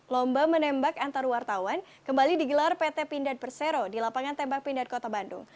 lomba menembak antar wartawan kembali digelar pt pindad persero di lapangan tembak pindad kota bandung